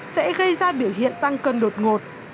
sẽ gây ra biểu hiện tăng cân đột ngột